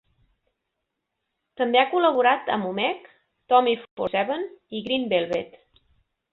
També ha col·laborat amb Umek, Tommy Four Seven i Green Velvet.